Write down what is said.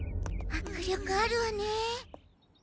迫力あるわね。